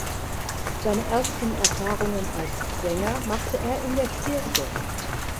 Seine ersten Erfahrungen als Sänger machte er in der Kirche.